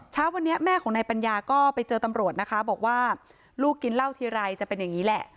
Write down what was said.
เช้าวันนี้แม่ของนายปัญญาก็ไปเจอตำรวจนะคะบอกว่าลูกกินเหล้าทีไรจะเป็นอย่างนี้แหละ